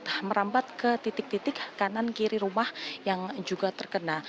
sudah merambat ke titik titik kanan kiri rumah yang juga terkena